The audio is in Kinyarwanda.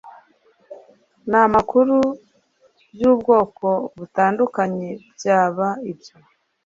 n amakuru by ubwoko butandukanye byaba ibyo